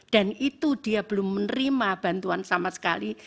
itu dia belum menerima bantuan sama sekali